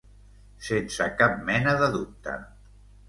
Sense cap mena de dubte.